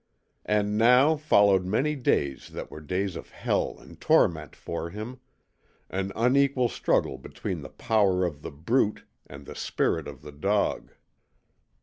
And now followed many days that were days of hell and torment for him an unequal struggle between the power of The Brute and the spirit of the Dog.